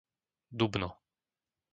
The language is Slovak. Dubno